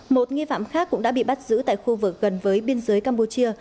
một nghi phạm khác cũng đã bị bắt giữ tại khu vực gần với biên giới campuchia